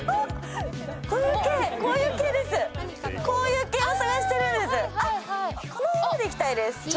こういう系を探してるんです！